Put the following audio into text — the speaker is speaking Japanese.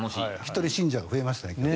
１人、信者が増えましたね。